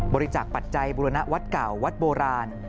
บริจาคปัจจัยบุรณวัดเก่าวัดโบราณ